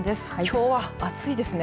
きょうは暑いですね。